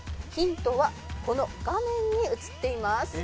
「ヒントはこの画面に映っています」